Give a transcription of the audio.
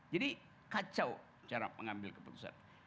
jadi kacau cara mengambil keputusan